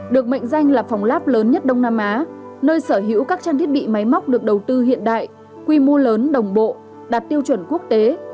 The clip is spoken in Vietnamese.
được mệnh danh là phòng lab lớn nhất đông nam á nơi sở hữu các trang thiết bị máy móc được đầu tư hiện đại quy mô lớn đồng bộ đạt tiêu chuẩn quốc tế